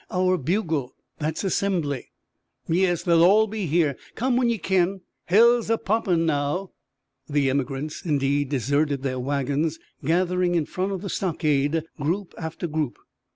"Our bugle! That's Assembly!" "Yes, they'll all be there. Come when ye kin. Hell's a poppin' now!" The emigrants, indeed, deserted their wagons, gathering in front of the stockade, group after group.